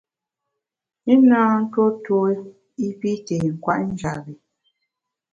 I na ntuo tuo i pi té nkwet njap bi.